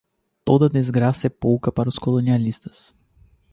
Toda desgraça é pouca para os colonialistas